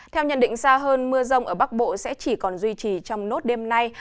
theo nhận định xa hơn mưa rông ở bắc bộ sẽ chỉ còn duy trì trong nốt đêm nay